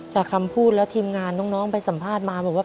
คำพูดแล้วทีมงานน้องไปสัมภาษณ์มาบอกว่า